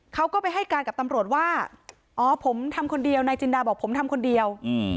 เขาก็ไปให้การกับตำรวจว่าอ๋อผมทำคนเดียวนายจินดาบอกผมทำคนเดียว